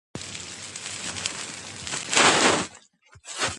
პორტერი გახდა პირველი ლუდი, რომელსაც საწარმოში ინახავდნენ და აგზავნიდნენ გასაყიდად.